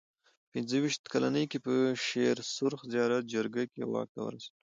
په پنځه ویشت کلنۍ کې په شېر سرخ زیارت جرګه کې واک ته ورسېد.